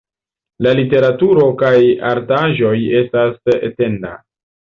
La literaturo kaj artaĵoj estas etenda.